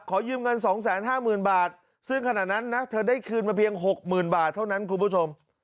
ขอยืมเงิน๒๕๐๐๐บาทซึ่งขณะนั้นนะเธอได้คืนมาเพียง๖๐๐๐บาทเท่านั้นคุณผู้ชม